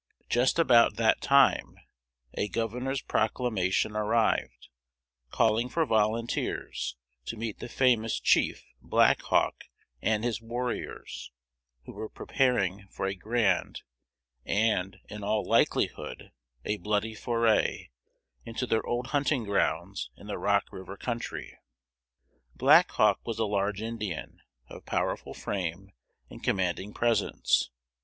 Just about that time a governor's proclamation arrived, calling for volunteers to meet the famous chief Black Hawk and his warriors, who were preparing for a grand, and, in all likelihood, a bloody foray, into their old hunting grounds in the Rock river country. [Illustration: Black Hawk, Indian Chief 128] Black Hawk was a large Indian, of powerful frame and commanding presence.